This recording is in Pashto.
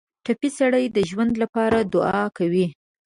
ټپي سړی د ژوند لپاره دعا کوي.